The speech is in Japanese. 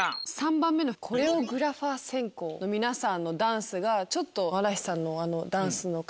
３番目のコレオグラファー専攻の皆さんのダンスがちょっと。